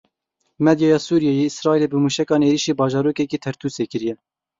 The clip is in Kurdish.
Medyaya Sûriyeyê, Israîlê bi mûşekan êrişî bajarokekî Tertûsê kiriye.